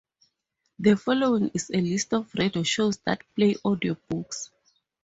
The following is a list of radio shows that play audiobooks.